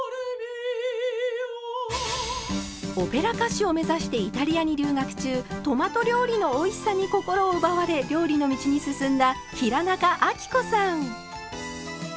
オペラ歌手を目指してイタリアに留学中トマト料理のおいしさに心を奪われ料理の道に進んだ平仲亜貴子さん。